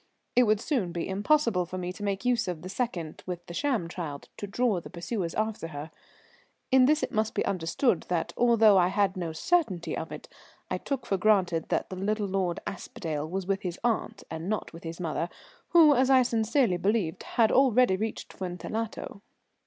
It would soon be impossible for me to make use of the second with the sham child to draw the pursuers after her. In this it must be understood that, although I had no certainty of it, I took it for granted that the little Lord Aspdale was with his aunt and not with his mother, who, as I sincerely believed, had already reached Fuentellato.